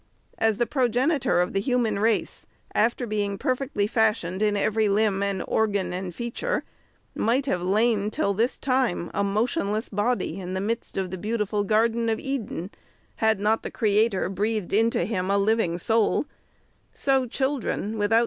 As the progenitor of the human race, after being perfectly fash ioned in every limb and organ and feature, might have lain till this time, a motionless body in the midst of the beautiful garden of Eden, had not the Creator breathed into him a living soul : so children, without